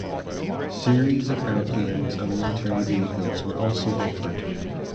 Series of aeroplanes and military vehicles were also offered.